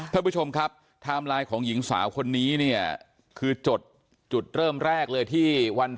ท่านผู้ชมครับไทม์ไลน์ของหญิงสาวคนนี้เนี่ยคือจดจุดเริ่มแรกเลยที่วัน